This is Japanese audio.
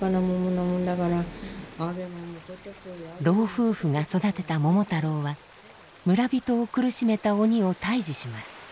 老夫婦が育てた桃太郎は村人を苦しめた鬼を退治します。